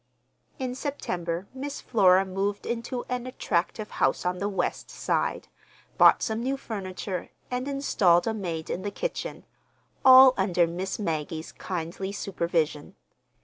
In September Miss Flora moved into an attractive house on the West Side, bought some new furniture, and installed a maid in the kitchen—all under Miss Maggie's kindly supervision.